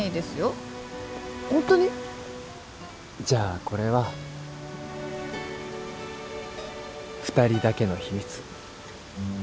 じゃこれは二人だけの秘密